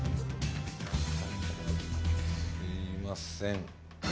「すいません」